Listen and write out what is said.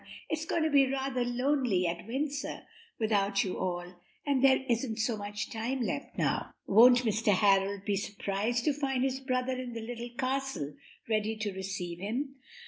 It's going to be rather lonely at Windsor without you all, and there isn't so very much time left now. Won't Mr. Harold be surprised to find his brother in the Little Castle ready to receive him!